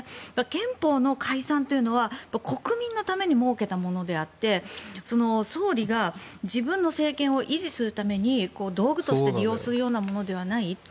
憲法の解散というのは国民のために設けたものであって総理が自分の政権を維持するために道具として利用するようなものではない。